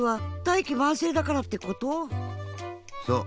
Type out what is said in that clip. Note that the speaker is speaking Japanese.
そう。